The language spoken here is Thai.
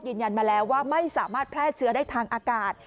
ยืนยันมาแล้วว่าไม่สามารถแพร่เชื้อได้ทางอากาศ